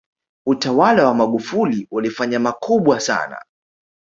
utawala wa Magufuli ulifanya makubwa sana